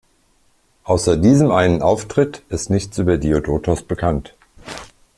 Außer diesem einen Auftritt ist nichts über Diodotos bekannt.